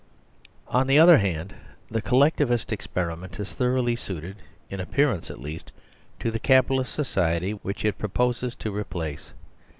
On the other hand, the Collectivist experiment is thoroughly suited (in appearance at least) to the Cap italist society which it proposes to replace.